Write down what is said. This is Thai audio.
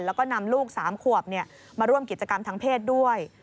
แล้วก็นำลูก๓ขวบมาร่วมกิจกรรมทางเพศด้วย